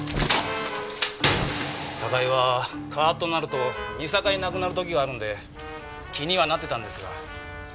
高井はカーッとなると見境なくなる時があるんで気にはなってたんですが。